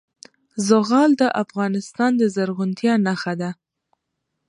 زغال د افغانستان د زرغونتیا نښه ده.